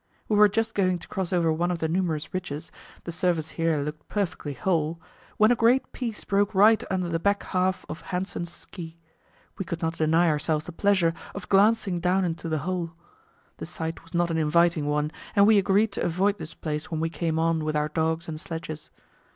We were just going to cross over one of the numerous ridges the surface here looked perfectly whole when a great piece broke right under the back half of Hanssen's ski. We could not deny ourselves the pleasure of glancing down into the hole. The sight was not an inviting one, and we agreed to avoid this place when we came on with our dogs and sledges.